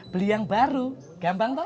beli yang baru gampang tuh